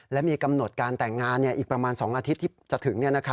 และมีกำหนดการแต่งงานอีกประมาณ๒อาทิตย์ที่จะถึง